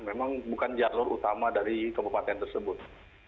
memang bukan jalur utama dari kabupaten tersebut